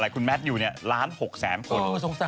คุนแมซอยู่เนี่ยร้านหกแสนคน